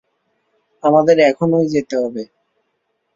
আমাদের এখনই যেতে হবে!